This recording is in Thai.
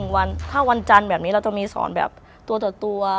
วันถ้าวันจันทร์แบบนี้เราจะมีสอนแบบตัวต่อตัว